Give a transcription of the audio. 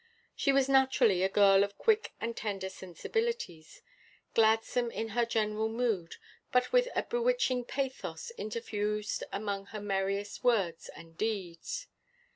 She was naturally a girl of quick and tender sensibilities, gladsome in her general mood, but with a bewitching pathos interfused among her merriest words and deeds.